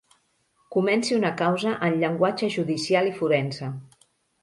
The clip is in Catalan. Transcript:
Comenci una causa en llenguatge judicial i forense.